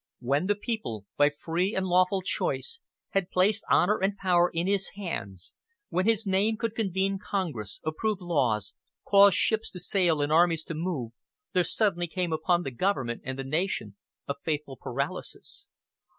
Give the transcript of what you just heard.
When the people, by free and lawful choice, had placed honor and power in his hands, when his name could convene Congress, approve laws, cause ships to sail and armies to move, there suddenly came upon the government and the nation a fatal paralysis.